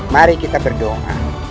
mari kita berdoa